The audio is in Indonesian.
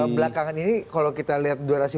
belakangan ini kalau kita lihat durasi